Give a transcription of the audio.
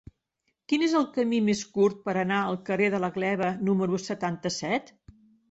Quin és el camí més curt per anar al carrer de la Gleva número setanta-set?